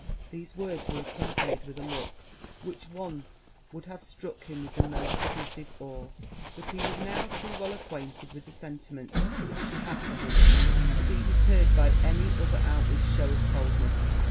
These words were accompanied with a look which once would have struck him with the most submissive awe; but he was now too well acquainted with the sentiments she had for him to be deterred by any other outward shew of coldness.